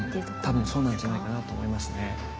多分そうなんじゃないかなと思いますね。